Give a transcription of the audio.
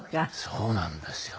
そうなんですよ。